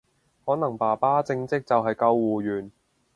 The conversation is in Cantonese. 可能爸爸正職就係救護員